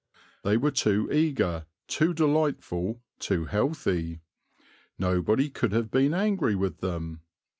They were too eager, too delightful, too healthy. Nobody could have been angry with them.